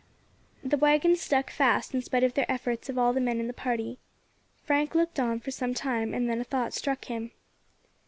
The waggons stuck fast in spite of the efforts of all the men in the party. Frank looked on for some time, and then a thought struck him.